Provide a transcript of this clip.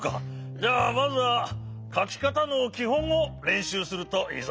じゃあまずはかきかたのきほんをれんしゅうするといいぞ。